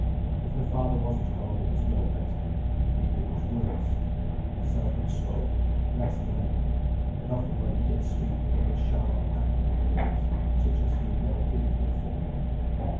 If her father was at home it was no better; indeed it was worse. He seldom spoke, less than ever; and often when he did speak they were sharp angry words, such as he had never given her formerly.